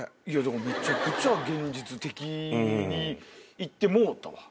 めちゃくちゃ現実的にいってもうたわ。